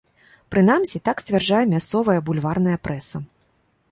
Прынамсі, так сцвярджае мясцовая бульварная прэса.